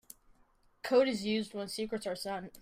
Code is used when secrets are sent.